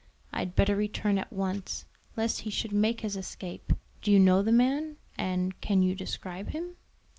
I'd better return at once, lest he should make his escape. Do you know the man? and can you describe him?"